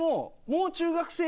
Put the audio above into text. もう中学生！